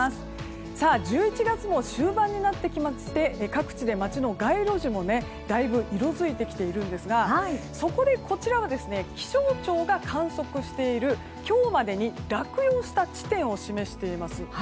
１１月も終盤になってきまして各地で街の街路樹もだいぶ色づいてきているんですがそこでこちらは気象庁が観測している今日までに落葉した地点を示しています。